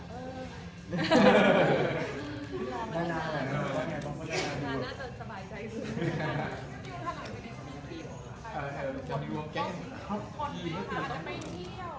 เพราะมันจะมีหลายอย่างที่จะมีความพิเศษเยอะ